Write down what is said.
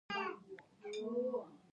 مصنوعي ځیرکتیا د کیسو ویلو نوې بڼه ده.